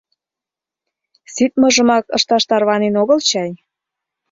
— Ситмыжымак ышташ тарванен огыл чай?..